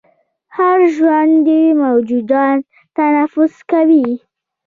هر ژوندی موجود تنفس کوي